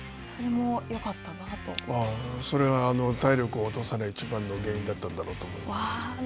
それは体力を落とさないいちばんの原因だったんだろうと思います。